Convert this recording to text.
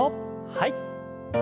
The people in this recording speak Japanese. はい。